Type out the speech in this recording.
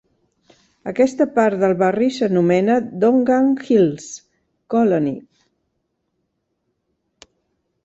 Aquesta part del barri s'anomena, Dongan Hills Colony.